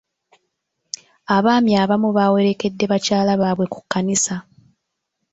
Abaami abamu baawerekedde bakyala baabwe ku kkanisa.